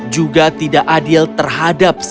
juga tidak adil terhadap